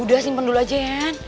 udah simpen dulu aja ya